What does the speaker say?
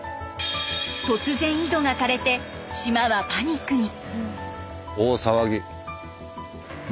突然井戸がかれて島はパニックに。